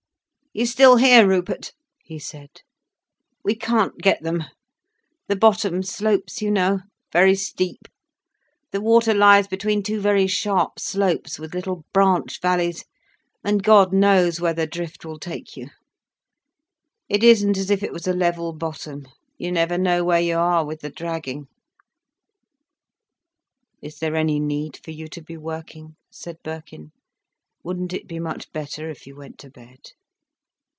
"You still here, Rupert?" he said. "We can't get them. The bottom slopes, you know, very steep. The water lies between two very sharp slopes, with little branch valleys, and God knows where the drift will take you. It isn't as if it was a level bottom. You never know where you are, with the dragging." "Is there any need for you to be working?" said Birkin. "Wouldn't it be much better if you went to bed?"